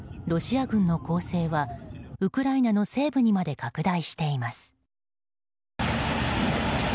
ロシア軍の攻勢はウクライナの西部にまで拡大しています。